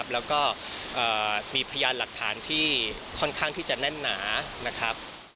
และมีพยานหลักฐานที่ค่อนข้างที่จะแน่นหนา